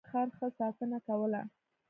هغه د خپل خر ښه ساتنه کوله.